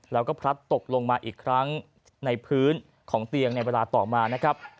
แล้วก็พลัดตกลงมาอีกครั้งในพื้นของเตียงในเวลาต่อมานะครับ